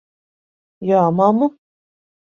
Jā, mammu?